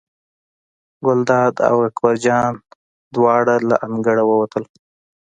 ګلداد او اکبر جان دواړه له انګړه ووتل.